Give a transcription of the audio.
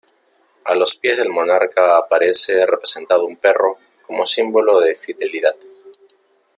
A los pies del monarca aparece representado un perro, como símbolo de fidelidad.